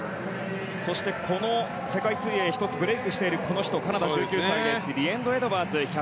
そして、この世界水泳１つブレークしている、この人カナダ、１９歳リエンド・エドワーズ。